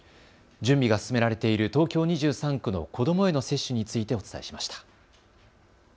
準備が進められている東京２３区の子どもへの接種についてお伝えしました。